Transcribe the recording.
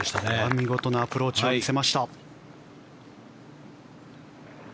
見事なアプローチを見せました。